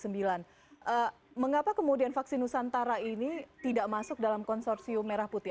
mengapa kemudian vaksin nusantara ini tidak masuk dalam konsorsium merah putih